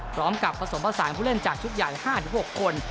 พร้อมกับผสมผสานผู้เล่นจากชุดใหญ่๕๖คน